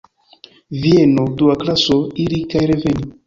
Vieno, dua klaso, iri kaj reveni.